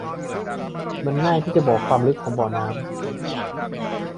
มันง่ายที่จะบอกความลึกของบ่อน้ำ